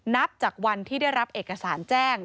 นับจากวันที่ได้รับเอกสารแจ้ง